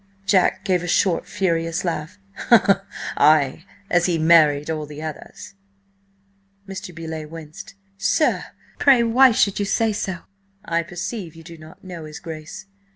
Jack gave a short, furious laugh. "Ay! As he married all the others!" Mr. Beauleigh winced. "Sir! Pray why should you say so?" "I perceive you do not know his Grace.